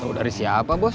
tau dari siapa bos